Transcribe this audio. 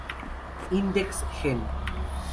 Index Gen.